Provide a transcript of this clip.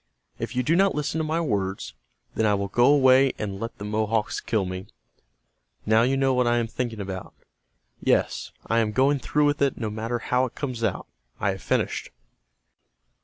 If you do not listen to my words, then I will go away and let the Mohawks kill me. Now you know what I am thinking about. Yes, I am going through with it no matter how it comes out. I have finished."